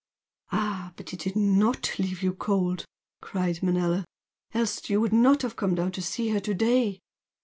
"Ah, but it did NOT leave you cold!" cried Manella; "Else you would not have come down to see her to day!